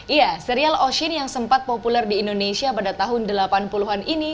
iya serial oshin yang sempat populer di indonesia pada tahun delapan puluh an ini